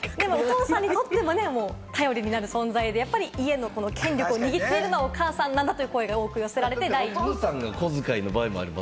お父さんにとっても頼りになる存在で、家の権力を握っているのはお母さんなんだという声が多く寄せられまして第２位。